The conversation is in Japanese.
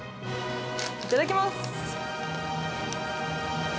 いただきます。